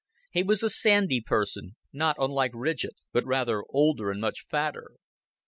He was a sandy person not unlike Ridgett, but rather older and much fatter.